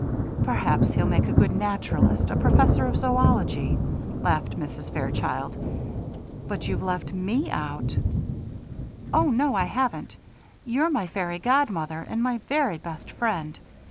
"Perhaps he'll make a good naturalist, a professor of zoölogy," laughed Mrs. Fairchild, "but you've left me out." "Oh, no, I haven't. You're my fairy godmother and my very best friend.